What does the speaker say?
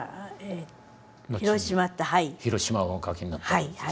はい。